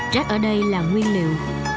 rác ở đây là nguyên liệu